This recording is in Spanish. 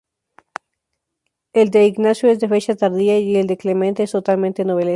El de Ignacio es de fecha tardía, y el de Clemente es totalmente novelesco.